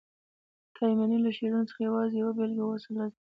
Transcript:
د تایمني له شعرونو څخه یوازي یوه بیلګه تر اوسه لاسته راغلې ده.